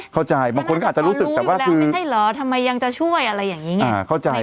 แต่บางคนก็อาจจะรู้อยู่แล้วไม่ใช่เหรอทำไมยังจะช่วยอะไรอย่างนี้ไง